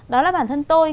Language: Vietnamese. đó là bản thân tôi